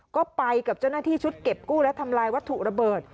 ก็ไปกับเจ้าหน้าที่ชุดเก็บกู้และทำลายวัตถุระเบิด